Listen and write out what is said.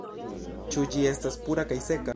Ĉu ĝi estas pura kaj seka?